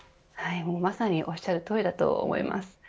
まさにおっしゃるとおりだと思います。